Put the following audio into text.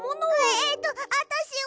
えとあたしは。